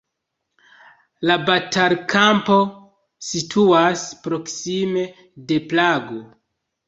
La batalkampo situas proksime de Prago.